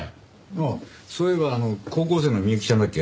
ああそういえば高校生の美幸ちゃんだっけ？